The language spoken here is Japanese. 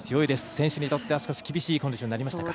選手にとっては少し厳しいコンディションになりましたか。